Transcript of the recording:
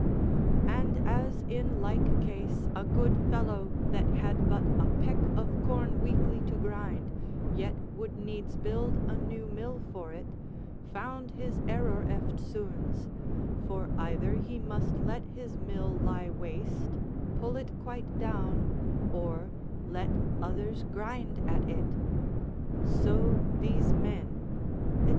And as in like case a good fellow that had but a peck of corn weekly to grind, yet would needs build a new mill for it, found his error eftsoons, for either he must let his mill lie waste, pull it quite down, or let others grind at it. So these men, &c.